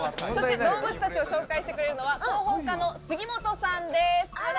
動物たちを紹介してくれるのは広報課の杉本さんです。